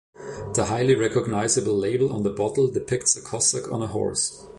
The highly recognizable label on the bottle depicts a Cossack on a horse.